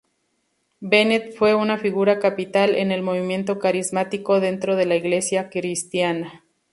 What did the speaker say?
Bennett fue una figura capital en el Movimiento Carismático dentro de la Iglesia Cristiana.